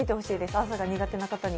朝が苦手な方には。